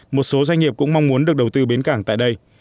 một số doanh nghiệp cũng mong muốn được đầu tư bến cảng tại đây